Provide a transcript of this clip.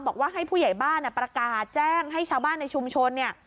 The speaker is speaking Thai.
บอกว่าให้ผู้ใหญ่บ้านประกาศแจ้งให้ชาวบ้านในชุมชนเนี่ย